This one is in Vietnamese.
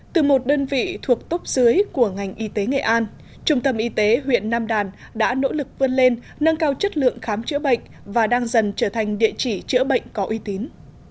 từ một đơn vị thuộc tốc dưới của ngành y tế nghệ an trung tâm y tế huyện nam đàn đã nỗ lực vươn lên nâng cao chất lượng khám chữa bệnh và đang dần trở thành địa chỉ chữa bệnh có uy tín